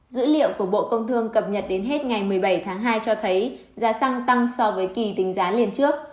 dữ liệu của bộ công thương cập nhật đến hết ngày một mươi bảy tháng hai cho thấy giá xăng tăng so với kỳ tính giá liên trước